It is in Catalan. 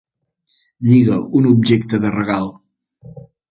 Lliga un objecte de regal.